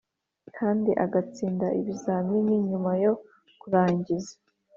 Kandi agatsinda ibizamini nyuma yo kurangiza